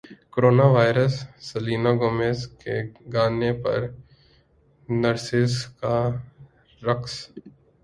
corona virus Selena Gomez کے گانے پر نرسز کا رقص